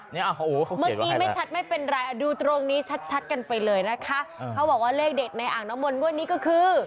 เมื่อกี้ไม่ชัดไม่เป็นไรอ่ะดูตรงนี้ชัดชัดกันไปเลยนะคะเขาบอกว่าเลขเด็ดในอ่างน้ำมนต์งวดนี้ก็คือ